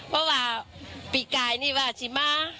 เพราะว่าปีกายนี่ว่าชิมา